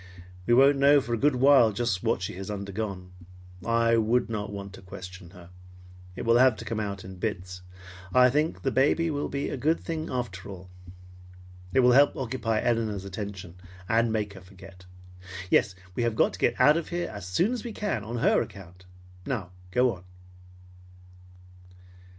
"We won't know for a good while just what she has undergone. I would not want to question her. It will have to come out in bits. And I think the baby will be a good thing after all. It will help occupy Elinor's attention and make her forget. Yes, we have got to get out of here as soon as we can on her account. Now go on."